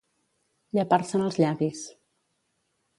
Llepar-se'n els llavis.